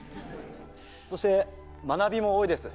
そして、学びも多いです。